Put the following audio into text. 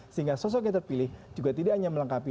sehingga sosok yang terpilih juga tidak hanya melengkapi